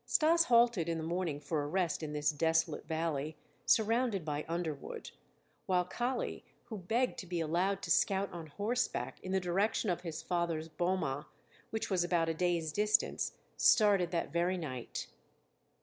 Stas halted in the morning for a rest in this desolate valley, surrounded by underwood, while Kali, who begged to be allowed to scout on horseback in the direction of his father's "boma," which was about a day's distance, started that very night.